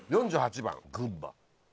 ４８番群馬。